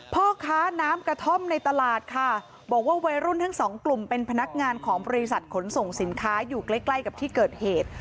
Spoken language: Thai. พ่อค้าน้ำกระท่อมในตลาดค่ะบอกว่าวัยรุ่นทั้งสองกลุ่มเป็นพนักงานของบริษัทขนส่งสินค้าอยู่ใกล้ใกล้กับที่เกิดเหตุ